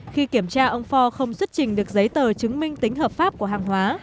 khi kiểm tra ông phò không xuất trình được giấy tờ chứng minh tính hợp pháp của hàng hóa